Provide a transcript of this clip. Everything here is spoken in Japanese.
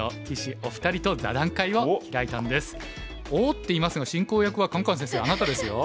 「おおっ！」って言いますが進行役はカンカン先生あなたですよ。